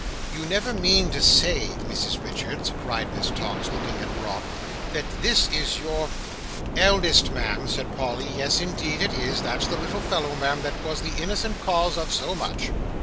"You never mean to say, Mrs Richards," cried Miss Tox, looking at Rob, "that that is your—" "Eldest, Ma'am," said Polly. "Yes, indeed, it is. That's the little fellow, Ma'am, that was the innocent cause of so much."